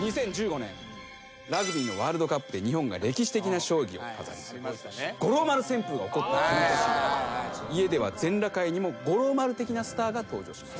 ラグビーのワールドカップで日本が歴史的な勝利を飾り五郎丸旋風が起こったこの年家では全裸界にも五郎丸的なスターが登場します。